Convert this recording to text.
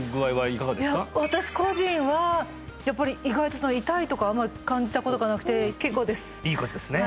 いや私個人はやっぱり意外とその痛いとかあんまり感じたことがなくて健康ですいいことですね